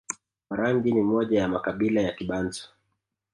Warangi ni moja ya makabila ya Kibantu